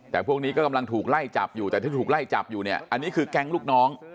แต่พวกนี้ก็กำลังถูกไล่จับอยู่แต่ที่ถูกไล่จับอยู่เนี่ยอันนี้คือแก๊งลูกน้อง